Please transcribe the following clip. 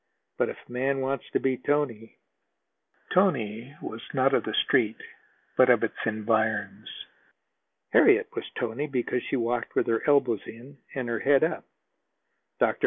But if a man wants to be tony " "Tony" was not of the Street, but of its environs. Harriet was "tony" because she walked with her elbows in and her head up. Dr.